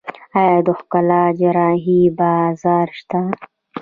آیا د ښکلا جراحي بازار شته؟